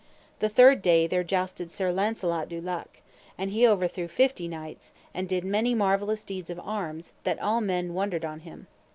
The third day there jousted Sir Launcelot du Lake, and he overthrew fifty knights, and did many marvellous deeds of arms, that all men wondered on him.